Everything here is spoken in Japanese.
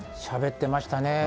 しゃべってましたね。